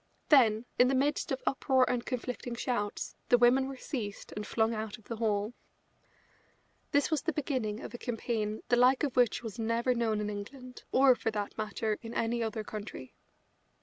Then, in the midst of uproar and conflicting shouts, the women were seized and flung out of the hall. This was the beginning of a campaign the like of which was never known in England, or, for that matter, in any other country.